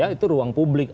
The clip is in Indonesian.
itu ruang publik